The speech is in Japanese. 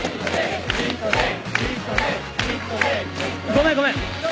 ごめんごめん